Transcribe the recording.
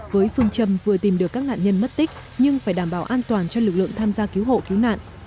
với phương châm vừa tìm được các nạn nhân mất tích nhưng phải đảm bảo an toàn cho lực lượng tham gia cứu hộ cứu nạn